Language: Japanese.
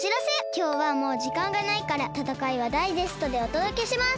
きょうはもうじかんがないからたたかいはダイジェストでおとどけします！